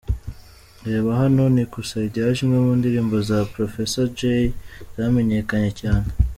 Reba hano "Nikusaidiaje", imwe mu ndirimbo za Professor Jay zamenyekanye cyane:.